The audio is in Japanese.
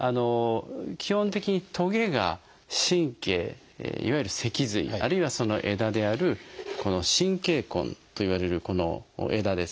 基本的にトゲが神経いわゆる脊髄あるいはその枝であるこの神経根といわれるこの枝ですね